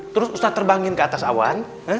terus ustadz terbangin ke atas awan